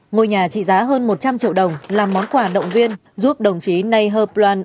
ngôi nhà trị giá hơn một trăm linh triệu đồng là món quả động viên giúp đồng chí nay herb loan